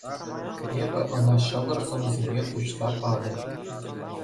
Эпӗ ӑна ҫӑкӑр сӑмсине хуҫса патӑм.